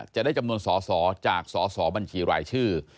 จะได้จำนวนสอสอจากสสบัญชีรายชื่อ